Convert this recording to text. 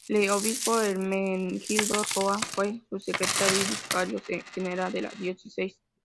El Obispo Hermenegildo Roa fue su secretario y vicario general de la diócesis.